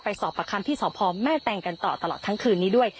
ไปสอบประคำที่สมตกันต่อตลอดทั้งคืนนี้ด้วย